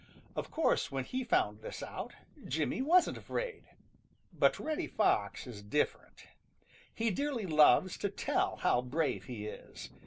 Of course when he found this out, Jimmy wasn't afraid. But Reddy Fox is different. He dearly loves to tell how brave he is.